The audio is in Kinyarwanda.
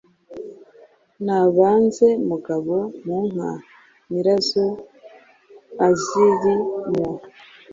Nabanze Mugabo munka, Nyirazo aziri mwo”.